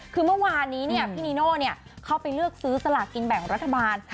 คือเมื่อวานนี้พี่นีโน่เข้าไปเลือกซื้อสลากกินแบ่งรัฐบาล